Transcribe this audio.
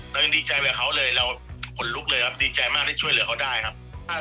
เรายังดีใจกับเขาเลยเราขนลุกเลยครับดีใจมากที่ช่วยเหลือเขาได้ครับ